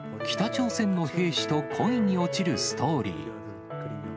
北朝鮮の兵士と恋に落ちるストーリー。